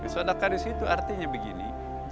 sodaka di situ artinya begini